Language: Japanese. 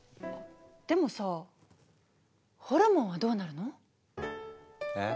でもさホルモンはどうなるの？え？